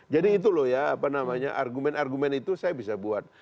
jadi itu loh ya apa namanya argumen argumen itu saya bisa buat